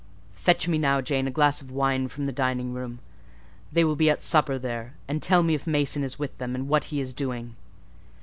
"Fetch me now, Jane, a glass of wine from the dining room: they will be at supper there; and tell me if Mason is with them, and what he is doing."